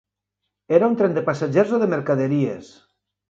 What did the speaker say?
Era un tren de passatgers o de mercaderies?